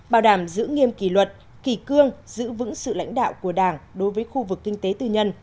bảo đảm giữ nghiêm kỳ luật kỳ cương giữ vững sự lãnh đạo của đảng đối với khu vực kinh tế tư nhân